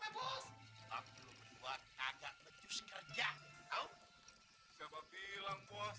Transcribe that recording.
bos jangan lebih pecat dong bos